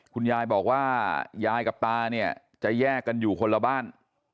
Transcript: คุณยายบอกว่ายายกับตาเนี่ยจะแยกกันอยู่คนละบ้าน